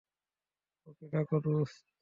ওকে ডাকো দোস্ত।